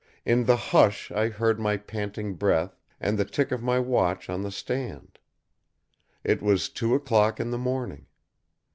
In the hush I heard my panting breath and the tick of my watch on the stand. It was two o'clock in the morning.